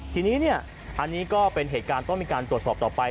ทีนี้อันนี้ก็เป็นเหตุการณ์ต้องมีการตรวจสอบต่อไป